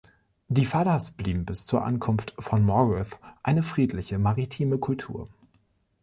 Die Falas blieben bis zur Ankunft von Morgoth eine friedliche maritime Kultur.